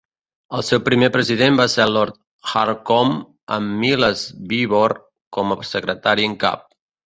El seu primer president va ser Lord Hurcomb, amb Miles Beevor com a secretari en cap.